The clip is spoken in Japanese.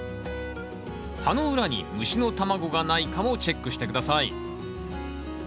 葉の裏に虫の卵がないかもチェックして下さい。